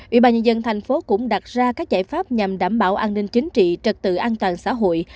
ubnd thành phố cũng đặt ra các giải pháp nhằm đảm bảo an ninh chính trị trật tự an toàn xã hội